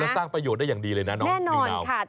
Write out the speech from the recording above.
สร้างประโยชน์ได้อย่างดีเลยนะน้องนิวนาว